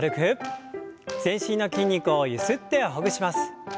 全身の筋肉をゆすってほぐします。